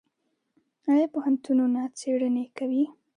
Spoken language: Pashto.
آیا پوهنتونونه څیړنې کوي؟